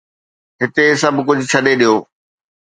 هتي سڀ ڪجهه ڇڏي ڏيو